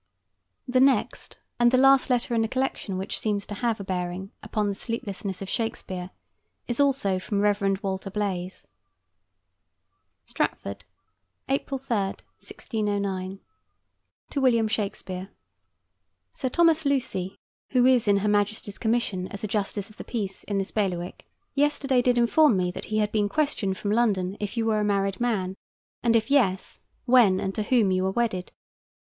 The next, and the last letter in the collection which seems to have a bearing upon the sleeplessness of Shakespeare, is also from Rev. Walter Blaise. STRATFORD, April 3, 1609. TO WILLIAM SHAKESPEARE: Sir Thomas Lucy, who is in her Majesty's commission as a Justice of the Peace in this bailiwick, yesterday did inform me that he had been questioned from London if you were a married man, and if yes, when and to whom you were wedded.